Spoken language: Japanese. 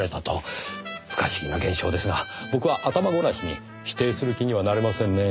不可思議な現象ですが僕は頭ごなしに否定する気にはなれませんねぇ。